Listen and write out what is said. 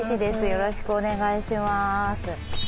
よろしくお願いします。